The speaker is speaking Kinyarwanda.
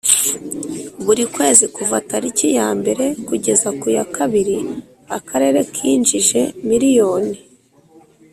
buri kwezi kuva tariki ya mbere kugeza ku ya kabiri akarere kinjije miliyoni